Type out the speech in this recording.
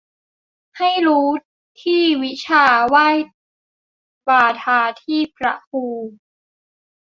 ให้รู้ที่วิชา ไหว้บาทาที่พระครู